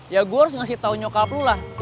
ya gue harus ngasih tau nyokap lu lah